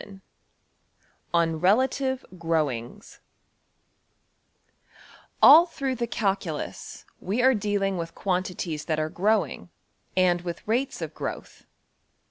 png}% \Chapter{III}{On Relative Growings} \First{All} through the calculus we are dealing with quantities that are growing, and with rates of growth.